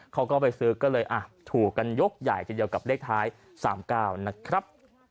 เขาก็ไปซื้อก็เลยถูกกันยกใหญ่ทีเดียวกับเลขท้าย๓๙นะครับ